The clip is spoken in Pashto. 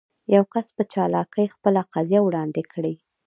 يو کس په چالاکي خپله قضيه وړاندې کړي.